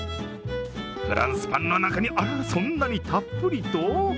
フランスパンの中にあららそんなにたっぷりと？